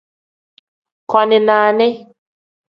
Koni nani.